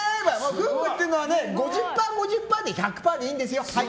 夫婦というのは５０％、５０％で１００％でいいんですよ。